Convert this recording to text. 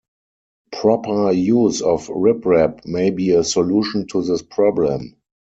Proper use of riprap may be a solution to this problem.